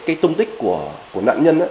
cái tung tích của nạn nhân